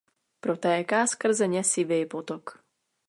Protéká skrze ně Sivý potok.